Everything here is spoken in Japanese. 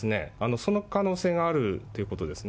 その可能性があるということですね。